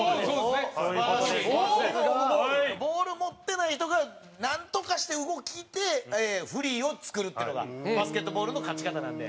井上：ボール持ってない人がなんとかして、動きでフリーを作るっていうのがバスケットボールの勝ち方なんで。